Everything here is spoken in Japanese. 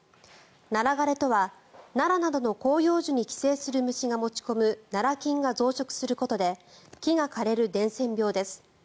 ナラ枯れとはナラなどの広葉樹に寄生する虫が持ち込むナラ菌が増殖することで木が枯れる伝染病です。